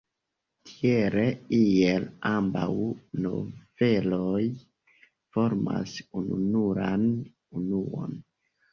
Tiele iel ambaŭ noveloj formas ununuran unuon.